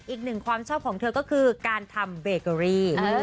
อีกหนึ่งความชอบของเธอก็คือการทำเบเกอรี่